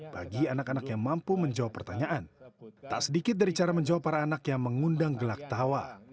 bagi anak anak yang mampu menjawab pertanyaan tak sedikit dari cara menjawab para anak yang mengundang gelak tawa